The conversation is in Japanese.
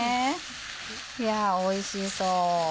いやおいしそう。